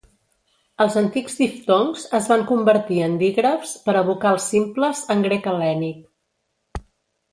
Els antics diftongs es van convertir en dígrafs per a vocals simples en grec hel·lènic.